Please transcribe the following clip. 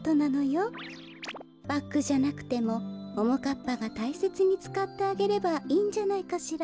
バッグじゃなくてもももかっぱがたいせつにつかってあげればいいんじゃないかしら。